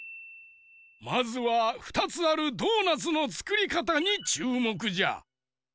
まずは２つあるドーナツのつくりかたにちゅうもくじゃ。